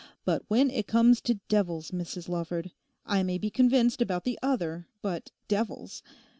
But when it comes to "devils," Mrs Lawford—I may be convinced about the other, but "devils"!